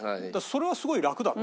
それはすごい楽だった。